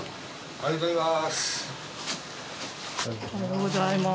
おはようございます。